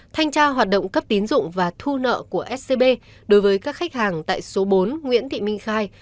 thanh tra hoạt động cấp tín dụng và thu nợ của scb đối với các khách hàng tại số bốn nguyễn thị minh khai